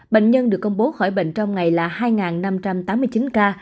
bệnh nhân được công bố khỏi bệnh trong ngày là hai năm trăm tám mươi chín ca